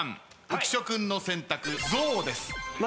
浮所君の選択ゾウです。